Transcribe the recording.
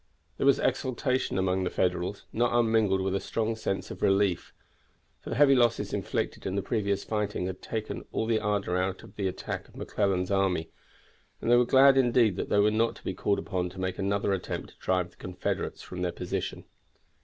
There was exultation among the Federals, not unmingled with a strong sense of relief; for the heavy losses inflicted in the previous fighting had taken all the ardor of attack out of McClellan's army, and they were glad indeed that they were not to be called upon to make another attempt to drive the Confederates from their position.